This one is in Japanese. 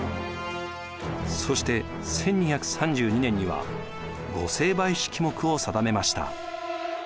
そして１２３２年には御成敗式目を定めました。